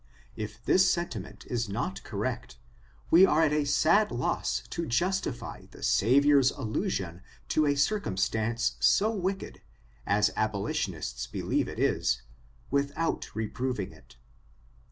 If this sentiment is not correct, we are at a sad loss to justify the Savior's allusion to a circumstance so wicked, as abolitionists believe it is, without reproving it.